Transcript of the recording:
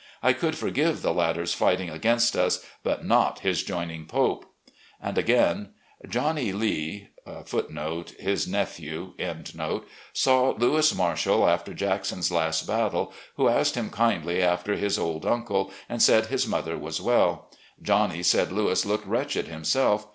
I could forgive the latter's fighting against us, but not his joining Pope." And again: "... Johnny Lee* saw Louis Marshall after Jack son's last battle, who asked him kindly after his old uncle, and said his mother was well. Johnny said Louis looked wretched himself.